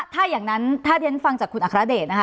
ถ้าอย่างนั้นถ้าเรียนฟังจากคุณอัครเดชนะคะ